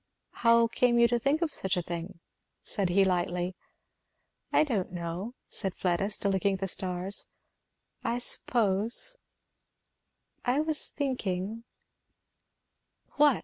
"How came you to think of such a thing?" said he lightly. "I don't know," said Fleda, still looking at the stars, "I suppose I was thinking " "What?"